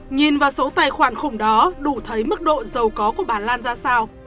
nhìn vào số tài khoản khủng đó đủ thấy mức độ giàu có của bà lan ra sao